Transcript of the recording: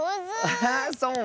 アハそう？